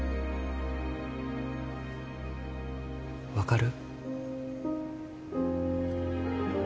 分かる？